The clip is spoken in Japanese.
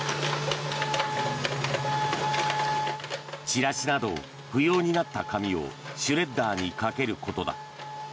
チラシなど不要になった紙をシュレッダーにかけることだ。